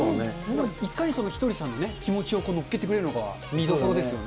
だからいかにひとりさんの気持ちを乗っけてくれるのが見どころですよね。